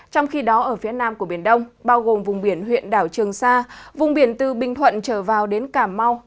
trong khi đó ở phía nam của biển đông bao gồm vùng biển huyện đảo trường sa vùng biển từ bình thuận trở vào đến cà mau